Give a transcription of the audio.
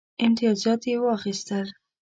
امتیازات یې واخیستل.